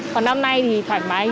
còn năm nay thì thoải mái